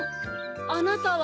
あなたは？